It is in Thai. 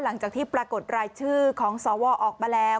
หลังจากที่ปรากฏรายชื่อของสวออกมาแล้ว